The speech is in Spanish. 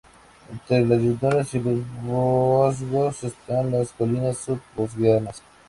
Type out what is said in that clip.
Entre la llanura y los Vosgos están las colinas sub-vosgueanas.